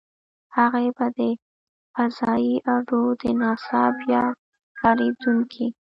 هغې به د فضايي اډو - د ناسا بیا کارېدونکې.